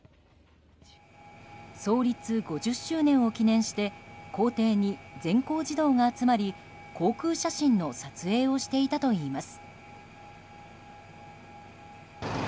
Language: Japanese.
創立５０周年を記念して校庭に全校児童が集まり航空写真の撮影をしていたといいます。